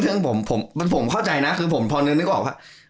ซึ่งผมผมเข้าใจนะคือผมหนึ่งนึกออกว่า